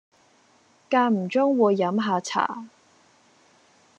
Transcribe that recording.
間唔中會飲吓茶